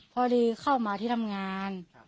พอดีเข้ามาที่ทำงาน